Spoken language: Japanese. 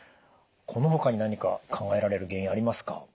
このほかに何か考えられる原因ありますか？